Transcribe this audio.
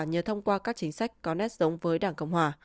nhờ thông qua các chính sách có nét giống với đảng cộng hòa